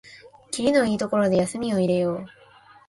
きりのいいところで休みを入れよう